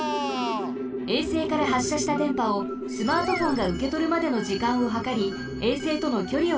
衛星からはっしゃしたでんぱをスマートフォンがうけとるまでのじかんをはかり衛星とのきょりをけいさんします。